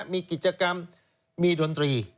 มีกิจกรรมมีดนตรี